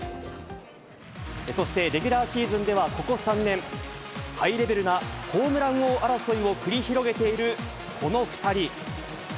そしてレギュラーシーズンではここ３年、ハイレベルなホームラン王争いを繰り広げているこの２人。